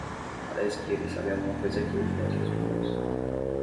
Parece que eles sabem alguma coisa aqui, dentro dos pulmões.